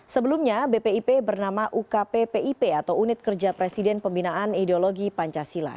sebelumnya bpip bernama ukppip atau unit kerja presiden pembinaan ideologi pancasila